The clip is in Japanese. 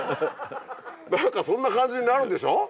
何かそんな感じになるでしょ？